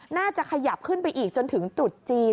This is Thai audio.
น่าจะขยับขึ้นไปอีกจนถึงตรุษจีน